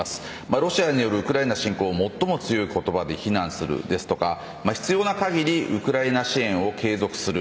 ロシアによるウクライナ侵攻を最も強い言葉で非難するですとか必要な限りウクライナ支援を継続する。